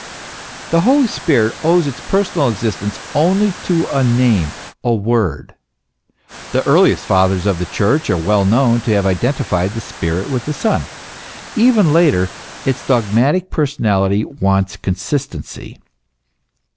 The Holy Spirit owes its personal existence only to a name, a word. The earliest Fathers of the Church are well known to have identified the Spirit with the Son. Even later, its dog matic personality wants consistency.